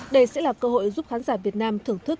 đây sẽ là cơ hội giúp khán giả việt nam thưởng thức